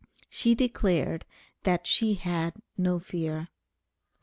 She declared that she had no fear.